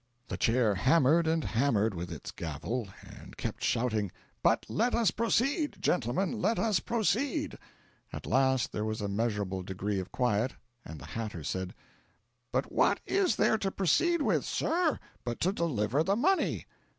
The Chair hammered and hammered with its gavel, and kept shouting: "But let us proceed, gentlemen, let us proceed!" At last there was a measurable degree of quiet, and the hatter said: "But what is there to proceed with, sir, but to deliver the money?"